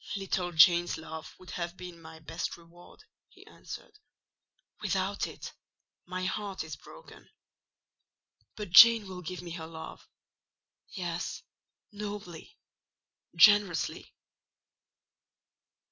"Little Jane's love would have been my best reward," he answered; "without it, my heart is broken. But Jane will give me her love: yes—nobly, generously."